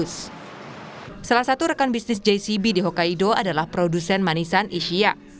salah satu rekan bisnis jcb di hokkaido adalah produsen manisan isya